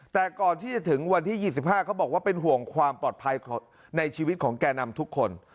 แต่ก่อนที่จะถึงวันที่๒๕เขาบอกว่าเป็นห่วงความปลอดภัยในชีวิตของแก่นำทุกคน